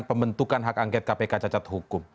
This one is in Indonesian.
pembentukan hak angket kpk cacat hukum